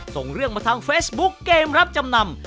ส่งเรื่องมาทางเฟซบุ๊กเกมรับจำนำ